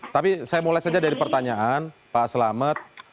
tapi saya mulai saja dari pertanyaan pak selamet